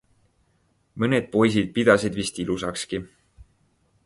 Mõned poisid pidasid vist ilusakski.